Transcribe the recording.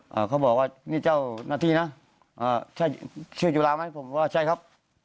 พี่จุฬาบอกว่านี่เจ้าหน้าที่นะชื่อจุฬาไหมผมว่าใช่ครับ